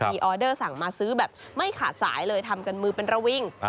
มีออเดอร์สั่งมาซื้อแบบไม่ขาดสายเลยทำกันมือเป็นระวิง